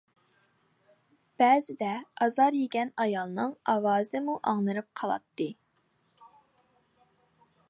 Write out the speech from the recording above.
بەزىدە ئازار يېگەن ئايالىنىڭ ئاۋازىمۇ ئاڭلىنىپ قالاتتى.